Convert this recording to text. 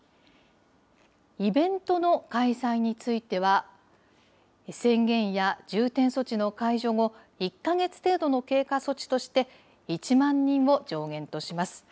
イベントの開催については、宣言や重点措置の解除後、１か月程度の経過措置として、１万人を上限とします。